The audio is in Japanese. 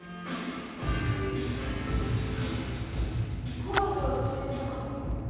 ポーズをつけた。